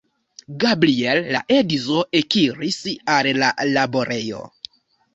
Gabriel, la edzo, ekiris al la laborejo.